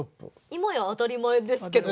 今や当たり前ですけどね。